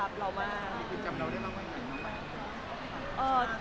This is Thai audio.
คุยคุยคุยคุยคุย